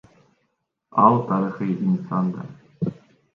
Ал тарыхый инсан да.